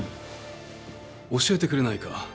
教えてくれないか？